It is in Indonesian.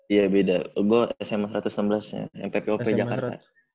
iya beda gue sma satu ratus enam belas yang ppop jakarta